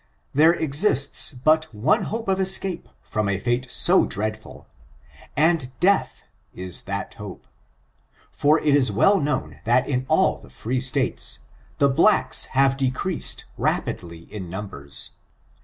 There exists but one hope of escape from a fate so dreadful, and dea^h is that hope; for it is well known that in all the free states, the blacks have decreased rapidly in numbers.